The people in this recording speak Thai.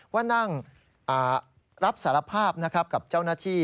ว่านั่งรับสารภาพนะครับกับเจ้าหน้าที่